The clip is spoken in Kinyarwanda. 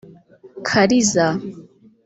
Kaliza’